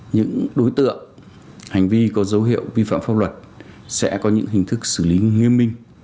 những đối tượng hành vi có dấu hiệu vi phạm pháp luật sẽ có những hình thức xử lý nghiêm minh